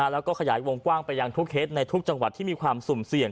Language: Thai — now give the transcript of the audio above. แล้วก็ขยายวงกว้างไปยังทุกเคสในทุกจังหวัดที่มีความสุ่มเสี่ยง